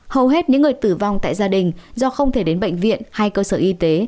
hầu hết những người tử vong tại gia đình do không thể đến bệnh viện hay cơ sở y tế